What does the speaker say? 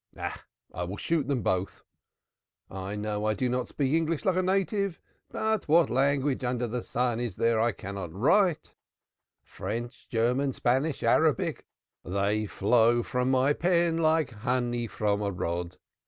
Ah, I will shoot them both. I know I do not speak English like a native but what language under the sun is there I cannot write? French, German, Spanish, Arabic they flow from my pen like honey from a rod.